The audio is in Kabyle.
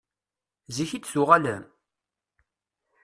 Zik i d-tuɣalem?